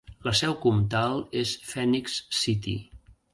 La seu comtal és Phenix City.